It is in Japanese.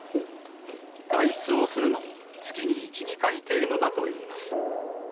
外出をするのも月に１、２回程度だといいます。